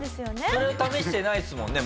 それ試してないですもんね